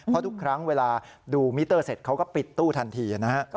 เพราะทุกครั้งเวลาดูมิเตอร์เสร็จเขาก็ปิดตู้ทันทีนะฮะ